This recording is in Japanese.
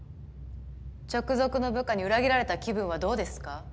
直属の部下に裏切られた気分はどうですか？